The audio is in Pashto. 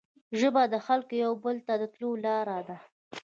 ژبه د خلګو یو بل ته د تلو لاره ده